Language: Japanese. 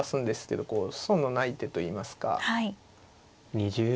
２０秒。